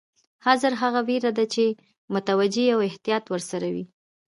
حذر هغه وېره ده چې متوجه یې او احتیاط ورسره وي.